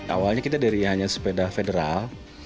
awalnya kita dari hanya sepeda federal